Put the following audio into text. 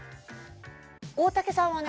大竹さんはね